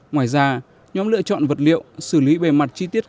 ngoài ra nhóm lựa chọn vật liệu xử lý bề mặt chi tiết